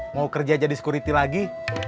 mau kerja jadi security lagi